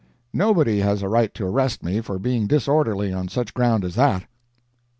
Nobody has a right to arrest me for being disorderly on such ground as that.